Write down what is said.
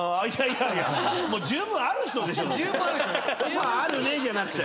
「オファーあるね」じゃなくて。